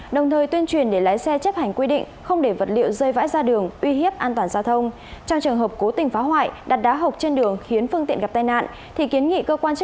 đồng thời tuyên truyền để lái xe chấp hành quy định không để vật liệu rơi vãi ra đường uy hiếp an toàn giao thông